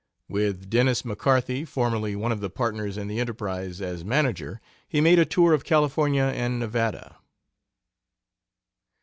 With Dennis McCarthy, formerly one of the partners in the Enterprise, as manager, he made a tour of California and Nevada.